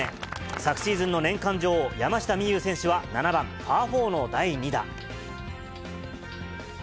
昨シーズンの年間女王、山下美夢有選手は７番パー４の第２打。